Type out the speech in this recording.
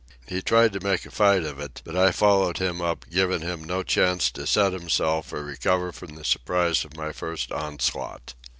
He tried to make a fight of it, but I followed him up, giving him no chance to set himself or recover from the surprise of my first onslaught.